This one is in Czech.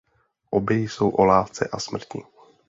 Obě jsou o lásce a smrti.